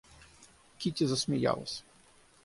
Кити засмеялась.